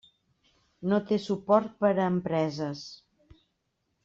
No té suport per a empreses.